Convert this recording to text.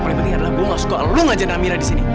ini adalah gue gak suka lo ngajarin amira disini